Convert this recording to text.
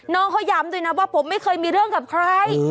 น้องเขาย้ำด้วยนะว่าผมไม่เคยมีเรื่องกับใคร